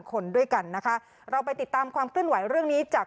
คนด้วยกันนะคะเราไปติดตามความเคลื่อนไหวเรื่องนี้จาก